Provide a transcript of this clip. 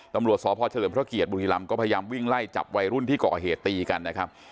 ตำรวจสพเฉลิมพระเกียรติบุรีรำก็พยายามวิ่งไล่จับวัยรุ่นที่ก่อเหตุตีกันนะครับ